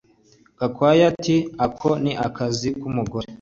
Gakwaya ati Ako ni akazi kumugore